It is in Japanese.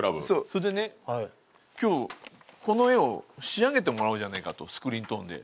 それでね今日この絵を仕上げてもらおうじゃないかとスクリーントーンで。